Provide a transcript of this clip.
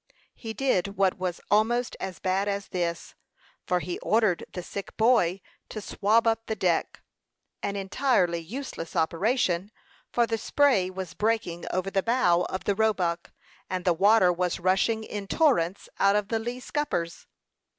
He did what was almost as bad as this, for he ordered the sick boy to swab up the deck an entirely useless operation, for the spray was breaking over the bow of the Roebuck, and the water was rushing in torrents out of the lee scuppers.